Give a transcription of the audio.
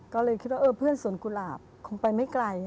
ก็เลยคิดว่าเพื่อนสวนกุหลาบคงไปไม่ไกล